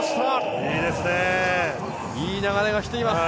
いい流れがきています。